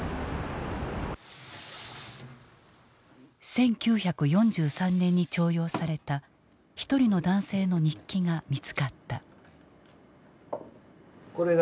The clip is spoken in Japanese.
１９４３年に徴用された一人の男性の日記が見つかった。